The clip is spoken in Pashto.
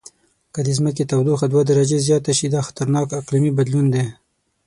که د ځمکې تودوخه دوه درجې زیاته شي، دا خطرناک اقلیمي بدلون دی.